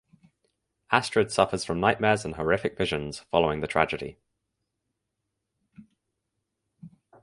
Astrid suffers from nightmares and horrific visions following the tragedy.